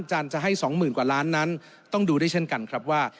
จันทร์จะให้๒๐๐๐กว่าล้านนั้นต้องดูได้เช่นกันครับว่า